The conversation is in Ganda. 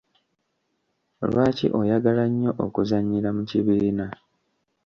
Lwaki oyagala nnyo okuzannyira mu kibiina?